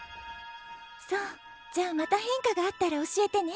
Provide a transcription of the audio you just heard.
そうじゃあまた変化があったら教えてね。